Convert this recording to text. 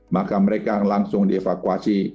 maka mereka langsung dievakuasi